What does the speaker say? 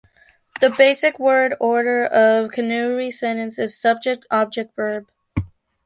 The basic word order of Kanuri sentences is subject-object-verb.